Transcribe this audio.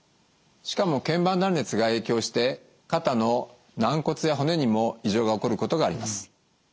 しかも腱板断裂が影響して肩の軟骨や骨にも異常が起こることがあります。